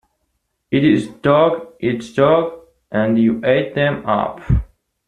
It is dog eat dog, and you ate them up.